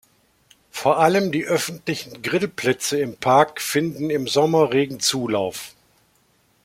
Vor allem die öffentlichen Grillplätze im Park finden im Sommer regen Zulauf.